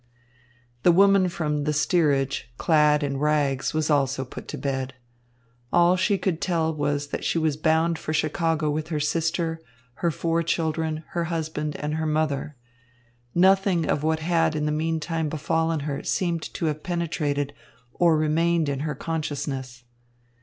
The woman from the steerage clad in rags was also put to bed. All she could tell was that she was bound for Chicago with her sister, her four children, her husband, and her mother. Nothing of what had in the meantime befallen her seemed to have penetrated, or remained in, her consciousness.